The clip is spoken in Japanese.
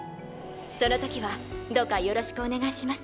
その時はどうかよろしくお願いします。